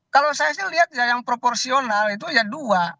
kalau saya sih lihat ya yang proporsional itu ya dua